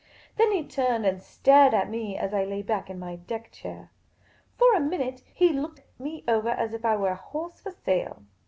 Then he turned and stared at me as I lay back in my deck chair. For a minute he looked me over as if I were a horsii for sale.